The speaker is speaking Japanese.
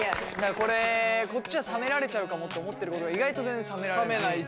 これこっちは冷められちゃうかもって思ってることが意外と全然冷められない。